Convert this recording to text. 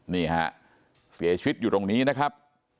นี่ฮะเสียชีวิตอยู่ตรงนี้นะครับ